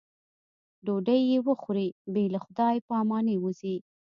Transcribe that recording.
ډوډۍ چې وخوري بې له خدای په امانۍ وځي.